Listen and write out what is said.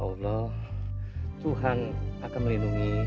ada bunga aja ibu